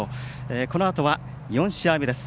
このあとは４試合目です。